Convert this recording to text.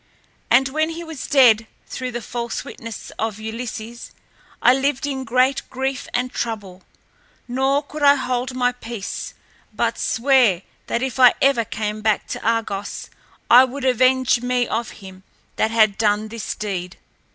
And when he was dead, through the false witness of Ulysses, I lived in great grief and trouble, nor could I hold my peace, but sware that if ever I came back to Argos I would avenge me of him that had done this deed.